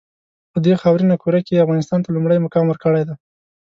په دې خاورینه کُره کې یې افغانستان ته لومړی مقام ورکړی دی.